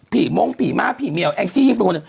ผีมงค์ผีม่าผีเมียลแองกี้ยิ่งเป็นคน